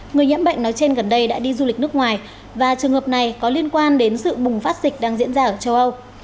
người nhiễm bệnh nói trên gần đây đã đi du lịch nước ngoài và trường hợp này có liên quan đến sự bùng phát dịch đang diễn ra ở châu âu